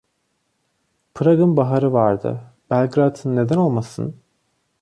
Prag'ın baharı vardı, Belgrad'ın neden olmasın?